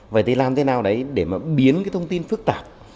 vậy thì làm thế nào đấy để mà biến cái thông tin phức tạp